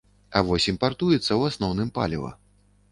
А вось імпартуецца ў асноўным паліва.